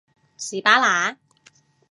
士巴拿